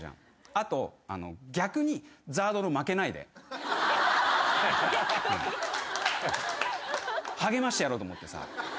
あと逆にＺＡＲＤの『負けないで』励ましてやろうと思ってさ。